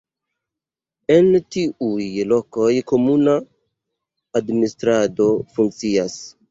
En tiuj lokoj komuna administrado funkcias.